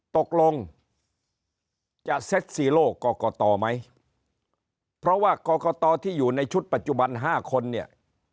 ตกลงจะเซ็ตซีโล่กรกตไหมเพราะว่ากรกตที่อยู่ในชุดปัจจุบัน๕คนเนี่ย